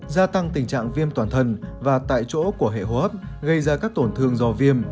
gia tăng tình trạng viêm toàn thân và tại chỗ của hệ hô hấp gây ra các tổn thương do viêm